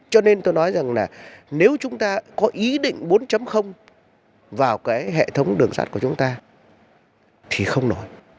cho nên tôi nói rằng là nếu chúng ta có ý định bốn vào cái hệ thống đường sắt của chúng ta thì không nổi